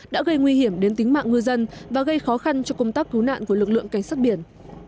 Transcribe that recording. đã gây nguy hiểm đến tính mạng ngư dân và gây khó khăn cho công tác cứu nạn của lực lượng cảnh sát biển